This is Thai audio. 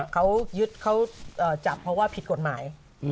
เขาจับเพราะว่าผิดกฎหมาย